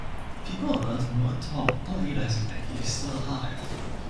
People on Earth mourn Tom, not realising that he is still alive.